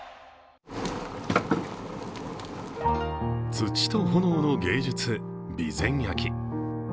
土と炎の芸術、備前焼。